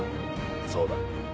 そうだ。